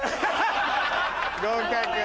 合格。